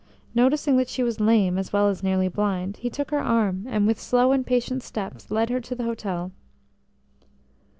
Noticing that she was lame as well as nearly blind, he took her arm, and with slow and patient steps led her to the hotel.